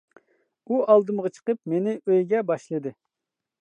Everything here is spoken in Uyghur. ئۇ ئالدىمغا چىقىپ مېنى ئۆيگە باشلىدى.